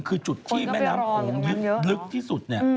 คือจุดที่แม่น้ำโขงลึกที่สุด